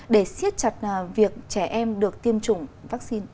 để siết chặt việc trẻ em được tiêm chủng vắc xin